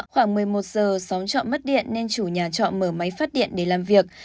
khoảng một mươi một giờ xóm trọ mất điện nên chủ nhà trọ mở máy phát điện để làm việc